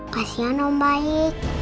kasian om bayi